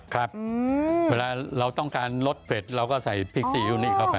ครับเวลาเราต้องการรสเป็ดเราก็ใส่พริกซีอิ๊วนี่เข้าไป